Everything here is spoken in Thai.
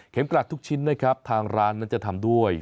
กลัดทุกชิ้นนะครับทางร้านนั้นจะทำด้วย